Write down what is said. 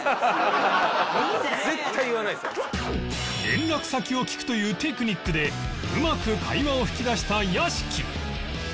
連絡先を聞くというテクニックでうまく会話を引き出した屋敷